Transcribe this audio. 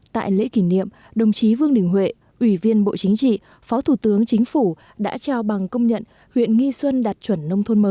tại lễ kỷ niệm đồng chí vương đình huệ ủy viên bộ chính trị phó thủ tướng chính phủ đã trao bằng công nhận huyện nghi xuân đạt chuẩn nông thôn mới